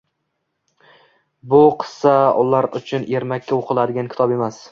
Bu qissa ular uchun ermakka o‘qiladigan kitob emas